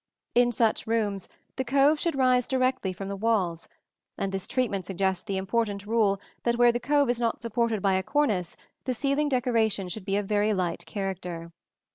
In such rooms the cove should rise directly from the walls; and this treatment suggests the important rule that where the cove is not supported by a cornice the ceiling decoration should be of very light character.